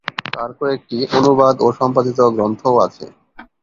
তার কয়েকটি অনুবাদ ও সম্পাদিত গ্রন্থও আছে।